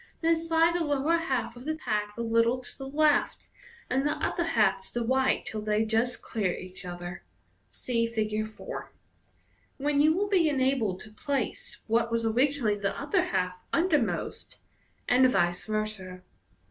Then slide the lower half of the pack a little to the left, and the upper half to the right till they ji st clear each other (see Fig. 4), when you will be enabled to place what was originally the upper half undermost, and vice versa.